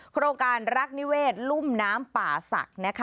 โครงการรักนิเวชรุ่มน้ำป่าสัก